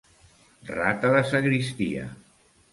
Rata de sagristia.